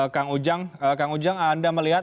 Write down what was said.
kang ujang kang ujang anda melihat